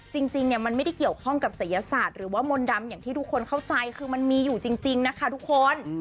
จริงเนี่ยมันไม่ได้เกี่ยวข้องกับศัยศาสตร์หรือว่ามนต์ดำอย่างที่ทุกคนเข้าใจคือมันมีอยู่จริงนะคะทุกคน